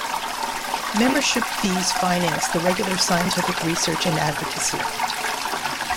Membership fees finance the regular scientific research and advocacy.